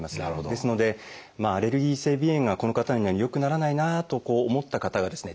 ですのでアレルギー性鼻炎がこの方のように良くならないなと思った方がですね